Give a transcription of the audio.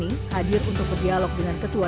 masyarakat yang kemudian membutuhkan rentuan